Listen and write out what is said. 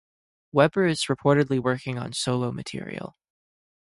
Weber is reportedly working on solo material.